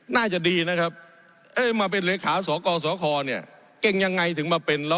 น่าจะดีนะครับมาเป็นเลขาสกสคเนี่ยเก่งยังไงถึงมาเป็นล้อ